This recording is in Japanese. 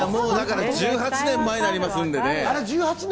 １８年前になりますので。